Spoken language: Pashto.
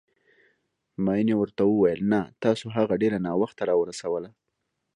مينې ورته وويل نه، تاسو هغه ډېره ناوخته راورسوله.